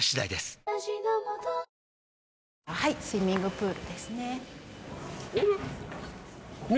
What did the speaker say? スイミングプールです。